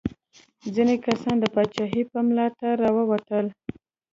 ځینې کسان د پاچا په ملاتړ راووتل.